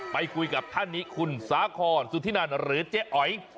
ไปคุยกับท่านนี้คุณสาคอนสุธินันหรือเจ๊อ๋อย